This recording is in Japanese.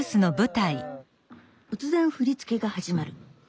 突然振り付けが始まる。